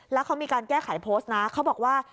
แล้วเขามีการแก้ไขโพสต์นะเขาบอกว่า